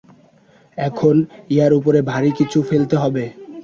এখন, এটার উপরে ভারী কিছু ফেলতে হবে।